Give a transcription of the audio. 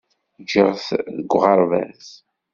Ǧǧiɣ-t deg uɣerbaz.